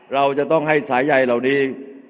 เราจะต้องให้สายใยเหล่านี้